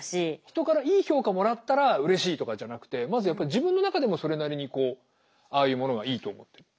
人からいい評価もらったらうれしいとかじゃなくてまずやっぱり自分の中でもそれなりにああいうものがいいと思ってる？